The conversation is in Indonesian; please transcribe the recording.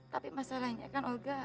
tapi masalahnya kan olga